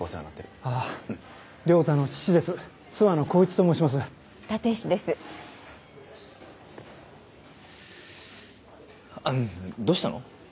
あっどうしたの？